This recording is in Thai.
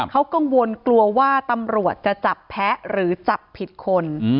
เขากังวลกลัวว่าตำรวจจะจับแพ้หรือจับผิดคน